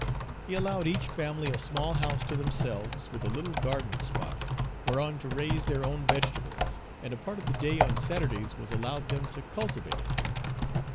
He allowed each family a small house to themselves with a little garden spot, whereon to raise their own vegetables; and a part of the day on Saturdays was allowed them to cultivate it.